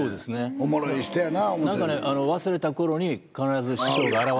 おもろい人やな思うて。